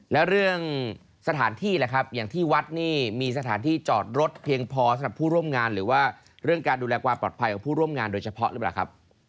แล้วเรื่องสถานที่ล่ะครับอย่างที่วัดนี่มีสถานที่จอดรถเพียงพอสำหรับผู้ร่วมงานหรือว่าเรื่องการดูแลความปลอดภัยของผู้ร่วมงานโดยเฉพาะหรือเปล่าครับ